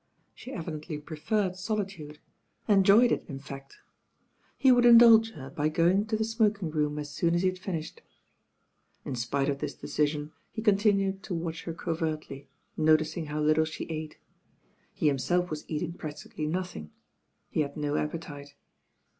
She evidently preferred solitude, enjoyed it THE TWO DRAGONS" 81 im in fact. He would Indulge her by going to the smoking room as soon as he had finished. In spite of this decision, he continued tj //atch her covertly, noticing how little she ate. tie himself ^ 'as eating practically nothing; he had i o appetite.